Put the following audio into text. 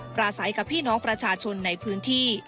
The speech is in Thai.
ประสัยกับพี่น้องประชาชนในพื้นที่